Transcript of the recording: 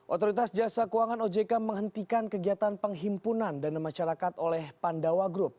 otoritas jasa keuangan ojk menghentikan kegiatan penghimpunan dana masyarakat oleh pandawa group